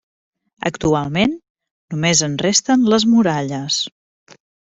Actualment només en resten les muralles.